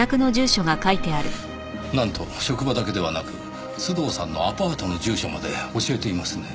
なんと職場だけではなく須藤さんのアパートの住所まで教えていますねぇ。